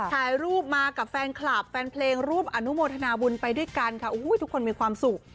ถ่ายรูปมากับแฟนคลับแฟนเพลงรูปอนุโมทนาบุญไปด้วยกันค่ะทุกคนมีความสุข